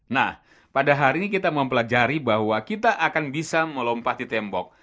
nah pada hari ini kita mempelajari bahwa kita akan bisa melompati tembok